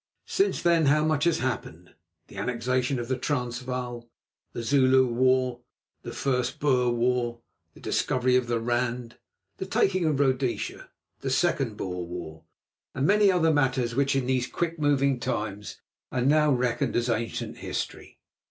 Since then how much has happened: the Annexation of the Transvaal, the Zulu War, the first Boer War, the discovery of the Rand, the taking of Rhodesia, the second Boer War, and many other matters which in these quick moving times are now reckoned as ancient history.